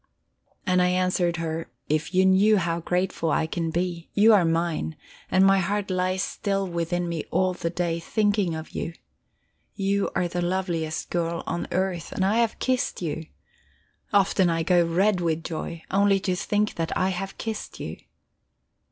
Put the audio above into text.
And I answered her: "If you knew how grateful I can be! You are mine, and my heart lies still within me all the day, thinking of you. You are the loveliest girl on earth, and I have kissed you. Often I go red with joy, only to think that I have kissed you."